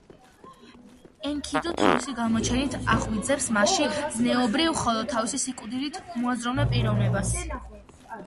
ენქიდუ თავისი გამოჩენით აღვიძებს მასში ზნეობრივ, ხოლო თავისი სიკვდილით—მოაზროვნე პიროვნებას.